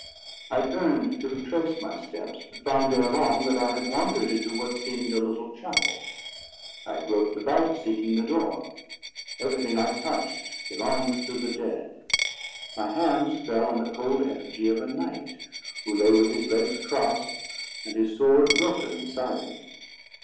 I turned to retrace my steps, but found, ere long, that I had wandered into what seemed a little chapel. I groped about, seeking the door. Everything I touched belonged to the dead. My hands fell on the cold effigy of a knight who lay with his legs crossed and his sword broken beside him.